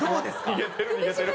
逃げてる逃げてる。